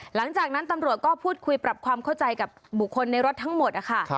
หลังจากนั้นตำรวจก็พูดคุยปรับความเข้าใจกับบุคคลในรถทั้งหมดนะคะ